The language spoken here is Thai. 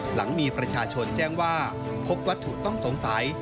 หลังมีประชาชนแจ้งว่าพบวัตถุต้องสงสัย